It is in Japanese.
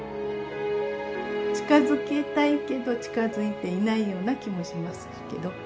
近づけたいけど近づいていないような気もしますけど。